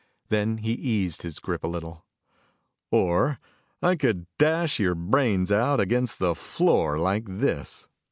Then he eased his grip a little. "Or I could dash your brains out against the floor like this."